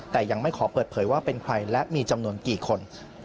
แต่ยังไม่ขอเปิดเผยว่าเป็นใครและมีจำนวนกี่คน